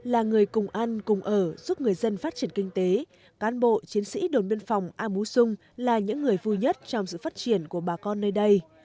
là người cùng ăn cùng ở giúp người dân phát triển kinh tế cán bộ chiến sĩ đồn biên phòng a mú xung là những người vui nhất trong sự phát triển của bà con nơi đây